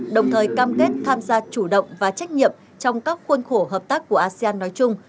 đồng thời cam kết tham gia chủ động và trách nhiệm trong các khuôn khổ hợp tác của asean nói chung